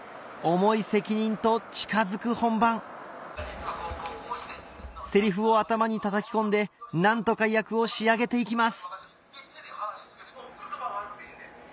重い責任と近づく本番セリフを頭にたたき込んで何とか役を仕上げていきます